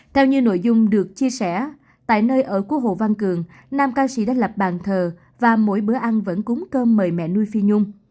theo như nội dung được chia sẻ tại nơi ở của hồ văn cường nam ca sĩ đã lập bàn thờ và mỗi bữa ăn vẫn cúng cơm mời mẹ nuôi phi nhung